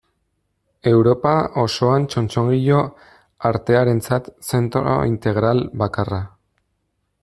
Europa osoan txotxongilo artearentzat zentro integral bakarra.